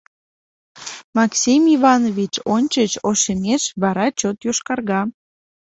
Максим Иванович ончыч ошемеш, вара чот йошкарга.